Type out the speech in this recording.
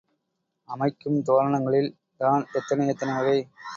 அமைக்கும் தோரணங்களில் தான் எத்தனை எத்தனை வகை.